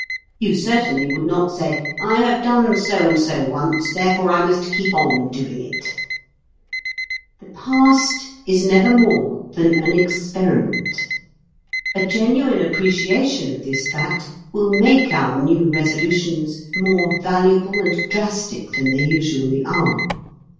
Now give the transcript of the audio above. You certainly would not say: "I have done so and so once, therefore I must keep on doing it." The past is never more than an experiment. A genuine appreciation of this fact will make our new Resolutions more valuable and drastic than they usually are.